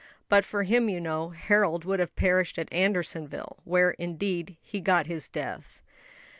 But for him, you know, Harold would have perished at Andersonville; where, indeed, he got his death."